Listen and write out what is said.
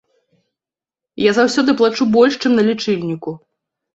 Я заўсёды плачу больш, чым на лічыльніку.